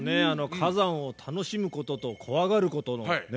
火山を楽しむことと怖がることのね。